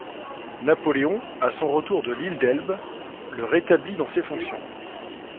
Napoléon, à son retour de l'île d'Elbe, le rétablit dans ses fonctions.